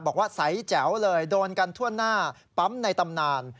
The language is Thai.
บอกว่าใสแจ๋วเลยโดนกันทั่วหน้าปั๊มในตำนาน